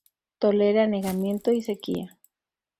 Tolera anegamiento y sequía.